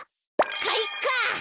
かいか！